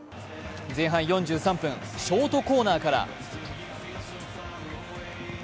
前半４３分、ショートコーナーから。